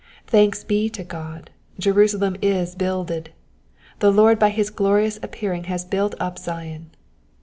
Thanks be to God, Jerusalem is builded : the Lord by his glorious appearing has built up Zion.